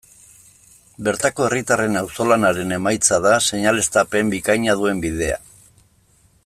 Bertako herritarren auzolanaren emaitza da seinaleztapen bikaina duen bidea.